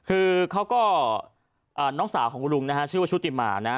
คือเขาก็น้องสาวของลุงนะฮะชื่อว่าชุติมานะ